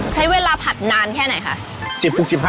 ใช้เวลาผัดนานแค่ไหนคะ